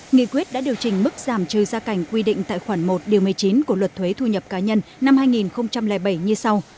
nghị quyết đã điều chỉnh mức giảm trừ gia cảnh quy định tại khoản một một mươi chín của luật thuế thu nhập cá nhân năm hai nghìn bảy như sau